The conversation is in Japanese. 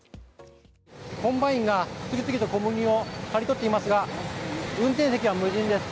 コンバインが次々と小麦を刈り取っていますが運転席は無人です。